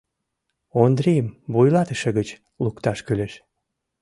Ондрийым вуйлатыше гыч лукташ кӱлеш.